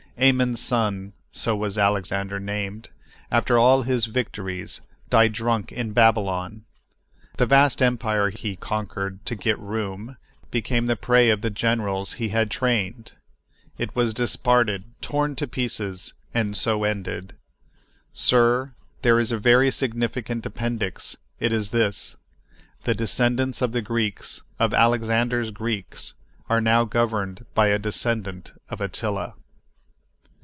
Ammon's son (so was Alexander named), after all his victories, died drunk in Babylon! The vast empire he conquered to "get room" became the prey of the generals he had trained; it was disparted, torn to pieces, and so ended. Sir, there is a very significant appendix; it is this: The descendants of the Greeks—of Alexander's Greeks—are now governed by a descendant of Attila!